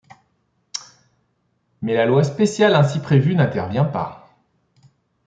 Mais la loi spéciale ainsi prévue n'intervient pas.